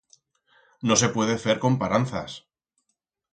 No se puede fer comparanzas...